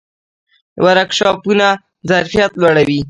ورکشاپونه ظرفیت لوړوي